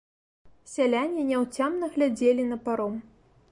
Сяляне няўцямна глядзелі на паром.